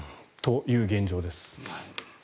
という現状です。